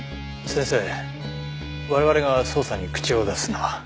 先生我々が捜査に口を出すのは。